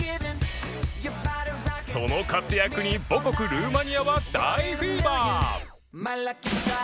その活躍に母国ルーマニアは大フィーバー